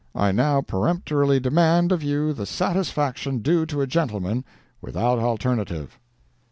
I now peremptorily demand of you the satisfaction due to a gentleman—without alternative.